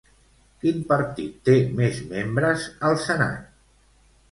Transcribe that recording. Quin partit té més membres al senat?